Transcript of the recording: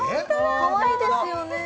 かわいいですよね